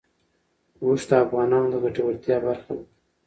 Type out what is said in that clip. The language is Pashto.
اوښ د افغانانو د ګټورتیا برخه ده.